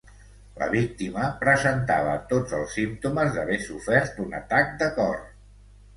La víctima presentava tots els símptomes d'haver sofert un atac de cor.